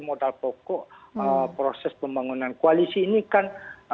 modal pokok proses pembangunan koalisi ini kan